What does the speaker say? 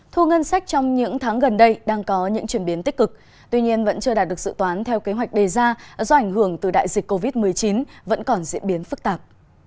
thu ngân sách trong những tháng gần đây đang có những chuyển biến tích cực tuy nhiên vẫn chưa đạt được dự toán theo kế hoạch đề ra do ảnh hưởng từ đại dịch covid một mươi chín vẫn còn diễn biến phức tạp